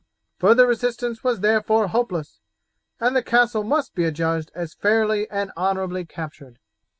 Further resistance was therefore hopeless, and the castle must be adjudged as fairly and honourably captured."